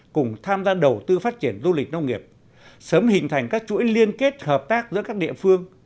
cùng tham gia đầu tư phát triển du lịch nông nghiệp sớm hình thành các chuỗi liên kết hợp tác giữa các địa phương